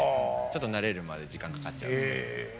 ちょっと慣れるまで時間かかっちゃうっていう。